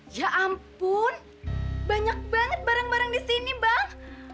ya ampun banyak banget barang barang di sini bang